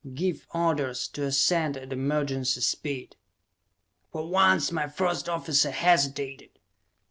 "Give orders to ascend at emergency speed!" For once my first officer hesitated.